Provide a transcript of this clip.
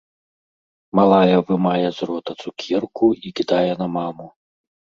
Малая вымае з рота цукерку і кідае на маму.